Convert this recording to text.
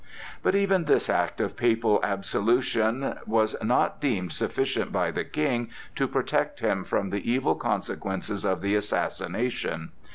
But even this act of papal absolution was not deemed sufficient by the King to protect him from the evil consequences of the assassination.